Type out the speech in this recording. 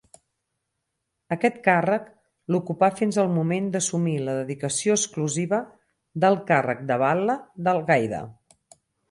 Aquest càrrec l'ocupà fins al moment d'assumir la dedicació exclusiva del càrrec de Batle d'Algaida.